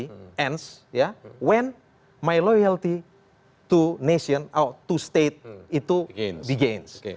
dan ketika loyalitas tertinggi terhadap negara itu mulai